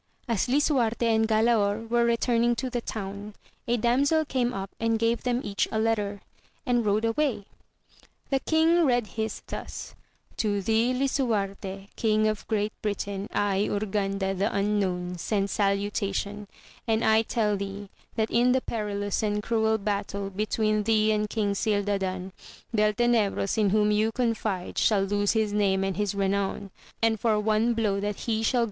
As Lisuarte and Galaor were returning to the town, a damsel came up and gave them each a letter, and rode away. The king read his thus : To thee Lisuarte, King of Great Britain, I, Urganda, the Unknown, send salutation, and I tell thee that in the perilous and cruel battle between thee and King Cildadan, Beltenebros, in whom you confide, shall lose his name and his renown, and for one blow that he shall AMADIS OF GAUL.